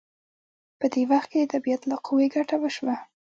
په دې وخت کې د طبیعت له قوې ګټه وشوه.